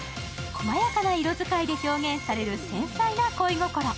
細やかな色使いで描かれる繊細な恋心。